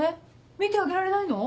見てあげられないの？